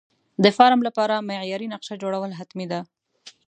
د فارم لپاره معیاري نقشه جوړول حتمي ده.